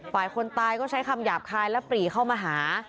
คนตายก็ใช้คำหยาบคายและปรีเข้ามาหา